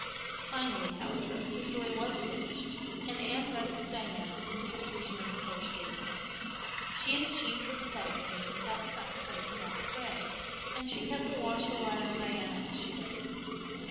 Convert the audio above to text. Finally, however, the story was finished, and Anne read it to Diana in the seclusion of the porch gable. She had achieved her "pathetic scene" without sacrificing Robert Ray, and she kept a watchful eye on Diana as she read it.